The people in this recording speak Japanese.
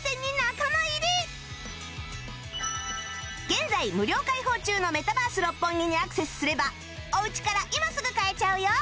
現在無料開放中のメタバース六本木にアクセスすればおうちから今すぐ買えちゃうよ